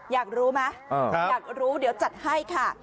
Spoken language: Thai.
อยากรู้ไหมอยากรู้เดี๋ยวจัดให้ค่ะ